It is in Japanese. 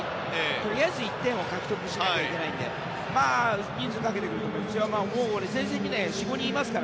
とりあえず１点を獲得しないといけないので人数をかけてくると思いますよ。